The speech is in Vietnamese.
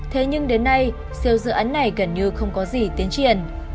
thế nhưng đến nay siêu dự án này gần như không có gì tiến triển